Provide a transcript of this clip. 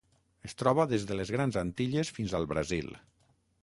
Es troba des de les Grans Antilles fins al Brasil.